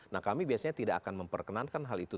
nah kami biasanya tidak akan memperkenankan hal itu